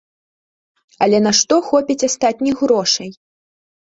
Але на што хопіць астатніх грошай?